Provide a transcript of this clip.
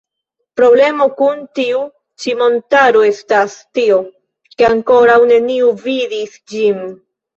Problemo kun tiu ĉi montaro estas tio, ke ankoraŭ neniu vidis ĝin.